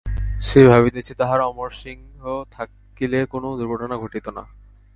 সে ভাবিতেছে তাহার অমরসিংহ থাকিলে কোনো দুর্ঘটনা ঘটিত না।